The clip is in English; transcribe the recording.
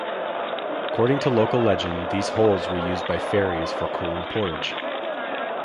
According to local legend, these holes were used by fairies for cooling porridge.